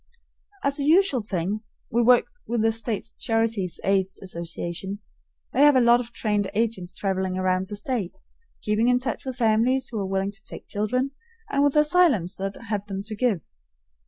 As a usual thing, we work with the State Charities' Aid Association. They have a lot of trained agents traveling about the State, keeping in touch with families who are willing to take children, and with asylums that have them to give.